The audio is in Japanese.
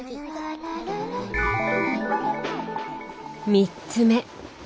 ３つ目。